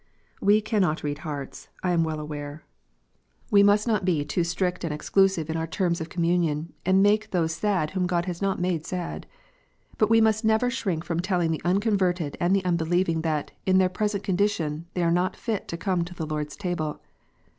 We cannot read hearts, I am well aware. We must not be jTHE LORD S SUPPER. 181 too strict and exclusive in our terms of communion, and make those sad whom God has not made sad. But we must never shrink from telling the unconverted and the unbelieving that, in their present condition, they are not fit to come to the Lord s Table.